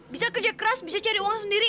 bisa kerja keras bisa cari uang sendiri